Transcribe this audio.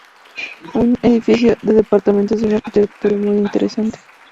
Un edificio de departamentos de una arquitectura muy interesante.